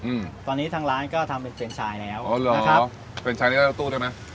อืมตอนนี้ทางร้านก็ทำเป็นเป็นชายแล้วอ๋อเหรอเป็นชายนี้ก็รถตู้ได้ไหม